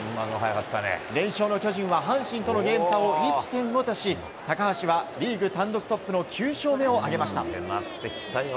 連勝の巨人は阪神とのゲーム差を１．５とし高橋はリーグ単独トップの９勝目を挙げました。